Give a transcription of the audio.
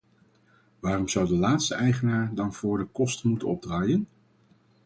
Waarom zou de laatste eigenaar dan voor de kosten moeten opdraaien?